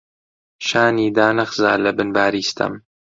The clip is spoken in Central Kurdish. شانی دانەخزا لەبن باری ستەم،